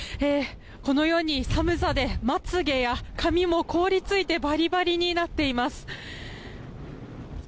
このように寒さでまつげや髪も凍り付いてバリバリになっています。